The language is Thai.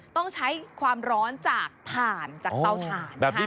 ต้องใช้ความร้อนจากถ่านจากเตาถ่าน